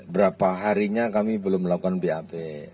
berapa harinya kami belum melakukan bap